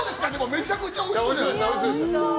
めちゃくちゃおいしそうでしょ。